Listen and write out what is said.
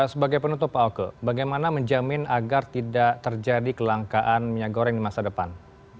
sebagai penutup pak oke bagaimana menjamin agar tidak terjadi kelangkaan minyak goreng di masa depan